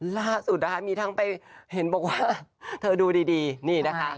ล่าสุดนะคะมีทั้งไปเห็นบอกว่าเธอดูดีนี่นะคะ